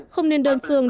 không nên đơn phương